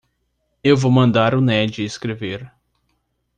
Eu vou mandar o Ned escrever.